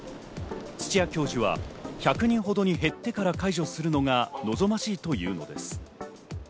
土屋教授は１００人ほどに減ってから解除するのが望ましいというのです。